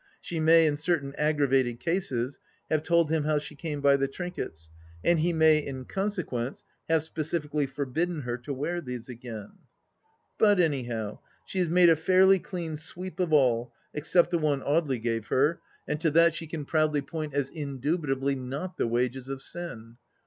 She may, in certain aggravated cases, have told him how she came by the trinkets, and he may, in consequence, have specifically forbidden her to wear these again ?... But, anyhow, she has made a fairly clean sweep of all, except the one Audely gave her, and to that she can proudly THE LAST DITCH 183 point as indubitably not the wages of sin